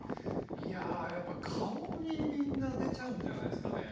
いややっぱ顔にみんな出ちゃうんじゃないですかね